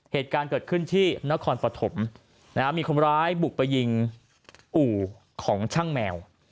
เหตุการณ์เกิดขึ้นที่นครปฐมมีคนร้ายบุกไปยิงอู่ของช่างแมว